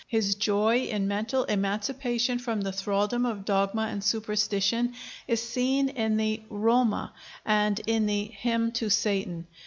His joy in mental emancipation from the thraldom of dogma and superstition is seen in the 'Roma' and in the 'Hymn to Satan.'